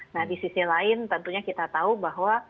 nah di sisi lain tentunya kita tahu bahwa